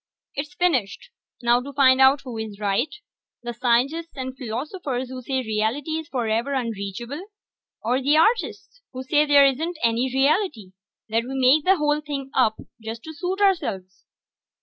"It's finished. Now to find out who is right, the scientists and philosophers who say reality is forever unreachable, or the artists who say there isn't any reality that we make the whole thing up to suit ourselves."